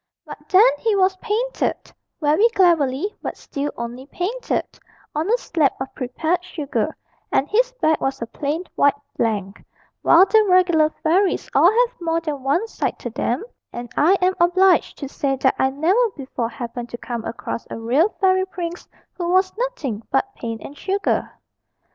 But then he was painted very cleverly but still only painted, on a slab of prepared sugar, and his back was a plain white blank; while the regular fairies all have more than one side to them, and I am obliged to say that I never before happened to come across a real fairy prince who was nothing but paint and sugar.